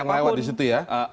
siapa yang lewat disitu ya